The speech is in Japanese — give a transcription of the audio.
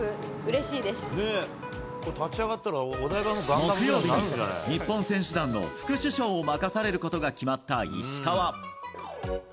木曜日に日本選手団の副主将を任されることが決まった石川。